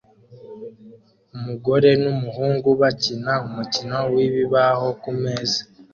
Umugore numuhungu bakina umukino wibibaho kumeza